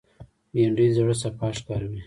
بېنډۍ د زړه صفا ښکاروي